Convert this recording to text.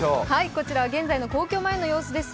こちらは現在の皇居前の様子です。